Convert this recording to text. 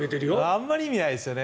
あまり意味がないですよね。